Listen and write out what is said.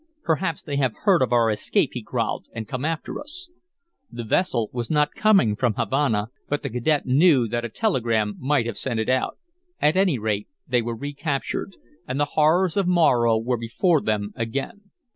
"Perhaps they have heard of our escape," he growled, "and come after us." The vessel was not coming from Havana, but the cadet knew that a telegram might have sent it out. At any rate, they were recaptured; and the horrors of Morro were before them again.